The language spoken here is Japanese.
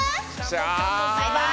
バイバイ！